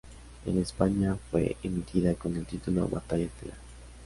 En España, fue emitida con el título "Batalla Estelar".